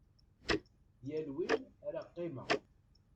Yal win ara qqimeɣ.